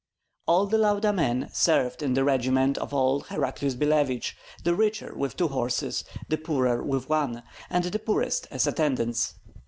All the Lauda men served in the regiment of old Heraclius Billevich, the richer with two horses, the poorer with one, and the poorest as attendants.